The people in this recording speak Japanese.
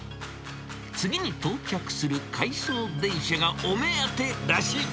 次に到着する回送電車がお目当てらしい。